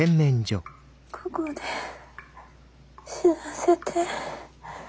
ここで死なせて。